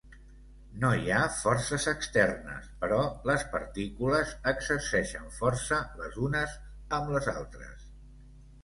No hi ha forces externes però les partícules exerceixen força les unes amb les altres.